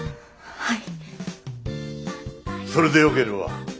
はい。